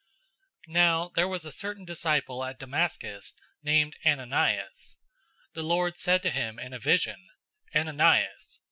009:010 Now there was a certain disciple at Damascus named Ananias. The Lord said to him in a vision, "Ananias!"